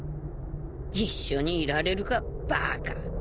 一緒にいられるかバーカ。